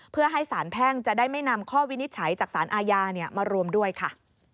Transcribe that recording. เพื่อให้สารแพ่งจะได้ไม่นำข้อวินิจฉัยจากสารอาญามารวมด้วยค่ะ